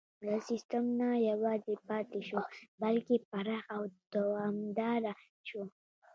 دا سیستم نه یوازې پاتې شو بلکې پراخ او دوامداره شو.